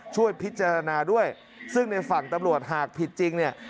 ช่วยพิจารณาด้วยซึ่งในฝั่งตำรวจหากผิดจริงเนี่ย